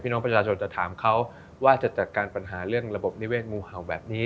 น้องประชาชนจะถามเขาว่าจะจัดการปัญหาเรื่องระบบนิเศษงูเห่าแบบนี้